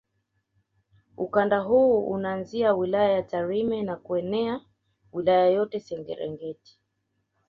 Ukanda huu unaanzia wilaya ya Tarime na kuenea Wilaya yote ya Serengeti